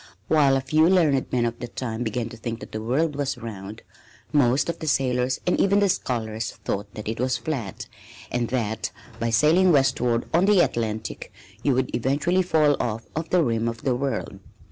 While a few learned men of the time began to think that the world was round, most of the sailors and even the scholars thought that it was flat and that by sailing westward on the Atlantic you would eventually fall off of the rim of the world.